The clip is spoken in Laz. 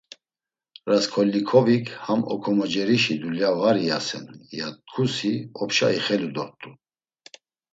Rasǩolnikovik ham okomocerişi dulya var iyasen, yado t̆ǩusi opşa ixelu dort̆u.